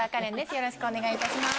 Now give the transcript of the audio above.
よろしくお願いします。